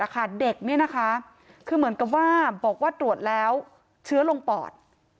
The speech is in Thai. คำบอกว่าตรวจแล้วเชื้อลงปอด